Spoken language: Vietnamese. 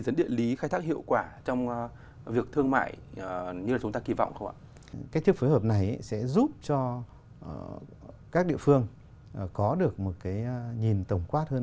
sẽ giúp cho các địa phương có được một cái nhìn tổng quát hơn